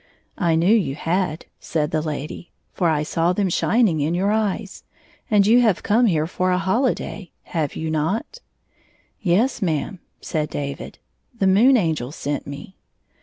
" I knew you had," said the lady, " for I saw them shining in your eyes. And you have come here for a hohday, have you not ?"" Yes ma'am," said David ;" the Moon Angel sent me."